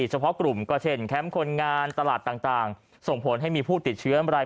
เฉพาะกลุ่มก็เช่นแคมป์คนงานตลาดต่างส่งผลให้มีผู้ติดเชื้อราย